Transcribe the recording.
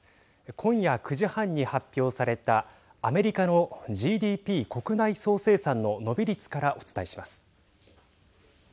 今夜９時半に発表されたアメリカのＧＤＰ＝国内総生産の伸び率からお伝えします。